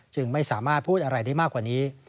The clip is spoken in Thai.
จึงไม่สามารถพูดอะไรได้มากกว่านี้